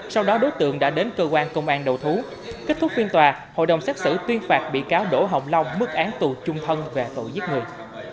sau đó đối tượng đã đến cơ quan công an đầu thú kết thúc phiên tòa hội đồng xét xử tuyên phạt bị cáo đỗ hồng long mức án tù trung thân về tội giết người